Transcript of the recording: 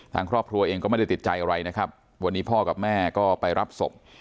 ทางครอบครัวเองก็ไม่ได้ติดใจอะไรนะครับวันนี้พ่อกับแม่ก็ไปรับศพ